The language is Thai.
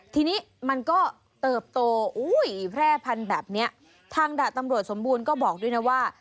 ทีนี้มันก็เติบโตอุ้ยแพร่พันธุ์แบบนี้ทางดาบตำรวจสมบูรณ์ก็บอกด้วยนะว่า